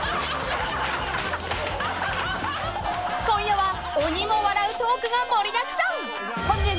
［今夜は鬼も笑うトークが盛りだくさん］